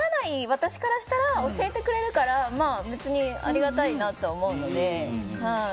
私からしたら教えてくれるから別にありがたいなと思うので。